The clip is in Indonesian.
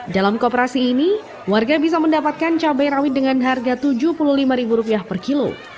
dalam kooperasi ini warga bisa mendapatkan cabai rawit dengan harga rp tujuh puluh lima per kilo